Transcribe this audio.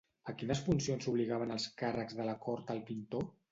A quines funcions obligaven els càrrecs de la cort al pintor?